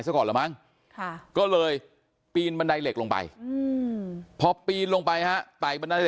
ซะก่อนละมั้งก็เลยปีนบันไดเหล็กลงไปพอปีนลงไปฮะไต่บันได